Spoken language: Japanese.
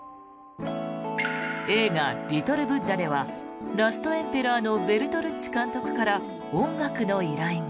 映画「リトル・ブッダ」では「ラストエンペラー」のベルトルッチ監督から音楽の依頼が。